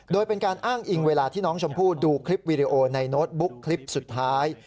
โดยเป็นการอ้างอิงเวลาที่น้องชมพู่ดูคลิปวีดีโอในโน้ตบุ๊กคลิปสุดท้าย